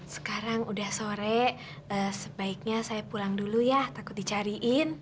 sekarang udah sore sebaiknya saya pulang dulu ya takut dicariin